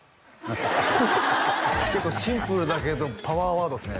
結構シンプルだけどパワーワードっすね